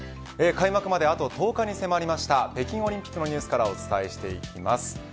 開幕まであと１０日に迫りました北京オリンピックのニュースからお伝えしていきます。